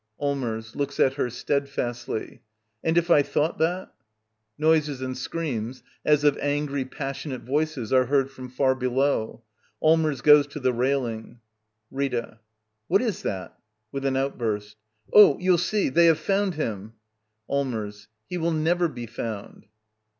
Allmers. [Looks at her steadfastly.] And if I thought that —? [Noises and screams, as of angry, passionate voices, are heard from far below. Allmers goes to the railing.] Rita. What is that? [With an outburst.] Oh, you'll see, — they have found him I Allmbrs. He will never be found.